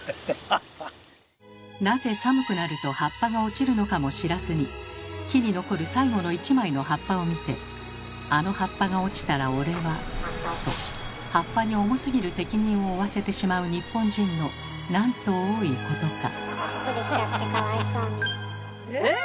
なぜ寒くなると葉っぱが落ちるのかも知らずに木に残る最後の一枚の葉っぱを見て「あの葉っぱが落ちたら俺は」と葉っぱに重すぎる責任を負わせてしまう日本人のなんと多いことか。